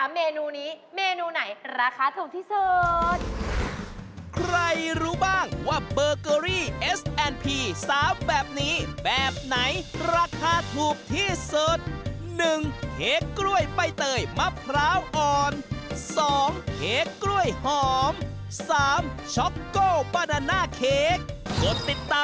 ๓เมนูนี้เมนูไหนราคาถูกที่สุด